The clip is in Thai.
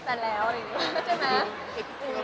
พี่เมย์บอกว่าเซาสตี้ส์ได้